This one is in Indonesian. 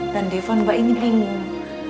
dan defon mbak ini bingung